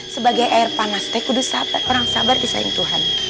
sebagai air panas saya kudus orang sabar disayang tuhan